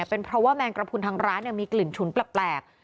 เป็นเพราะว่าแมงกระพุนทางร้านมีกลิ่นฉุนแปลก